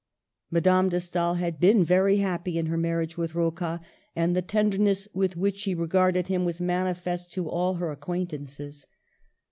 Madame d^ Stael had been very happy in her marriage with Rocca, and the tenderness with which she regarded him was manifest to all her acquaintances.